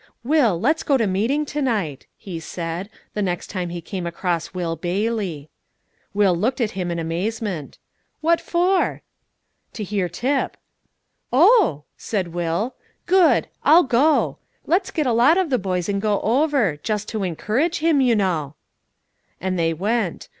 "Will, let's go to meeting to night," he said, the next time he came across Will Bailey. Will looked at him in amazement. "What for?" "To hear Tip." "Oh!" said Will; "good! I'll go. Let's get a lot of the boys and go over; just to encourage him, you know." And they went.